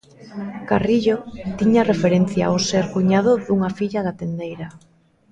Carrillo tiña referencia ao ser cuñado dunha filla da tendeira.